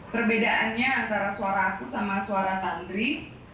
perbedaannya antara suara aku sama suara tantri